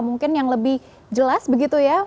mungkin yang lebih jelas begitu ya